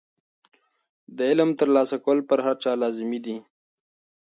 د علم ترلاسه کول په هر چا لازمي دي.